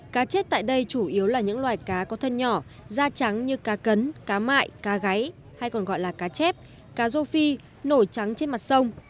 cá chết tại đây chủ yếu là những loài cá có thân nhỏ da trắng như cá cấn cá mại cá gáy hay còn gọi là cá chép cá rô phi nổi trắng trên mặt sông